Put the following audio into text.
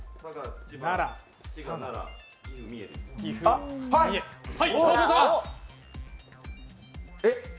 あっ！